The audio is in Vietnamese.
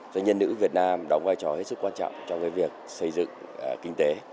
doanh nhân nữ việt nam đóng vai trò hết sức quan trọng trong việc xây dựng kinh tế